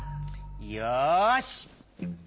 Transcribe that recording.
よし！